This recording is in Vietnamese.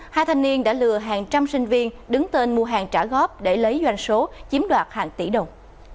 hai thanh niên đã lừa hàng trăm sinh viên đứng tên mua hàng trả góp để lấy doanh số chiếm đoạt hàng tỷ đồng